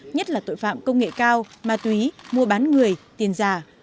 nhất là tội phạm công nghệ cao ma túy mua bán người tiền giả